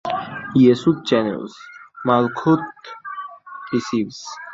Yesod channels, Malkuth receives.